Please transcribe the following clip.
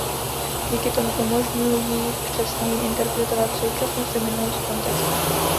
Díky tomu umožňují přesněji interpretovat současnost i minulost v kontextech.